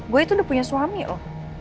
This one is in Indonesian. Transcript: gue itu udah punya suami loh